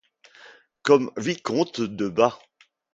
Comme vicomte de Bas.